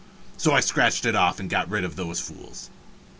So I scratched it off to get rid of those fools.